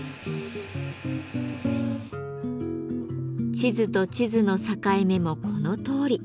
地図と地図の境目もこのとおり。